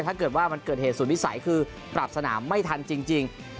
ถ้าเกิดว่ามันเกิดเหตุสุดวิสัยคือปรับสนามไม่ทันจริง